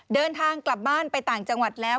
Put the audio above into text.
เดินทางกลับบ้านไปต่างจังหวัดแล้ว